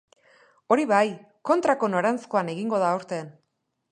Hori bai, kontrako noranzkoan egingo da aurten.